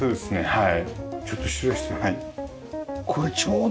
はい。